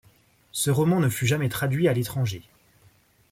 Ce roman ne fut jamais traduit à l'étranger.